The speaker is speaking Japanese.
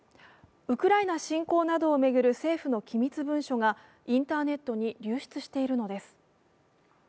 ウクライナ侵攻などを巡る政府の機密文書がインターネットに流出しているのです。